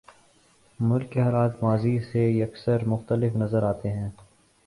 ملک کے حالات ماضی سے یکسر مختلف نظر آتے ہیں۔